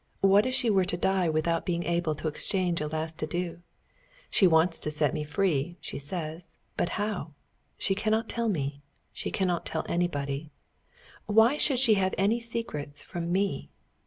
What if she were to die without being able to exchange a last adieu? She wants to set me free, she says; but how? She cannot tell me. She cannot tell anybody. Why should she have any secrets from me?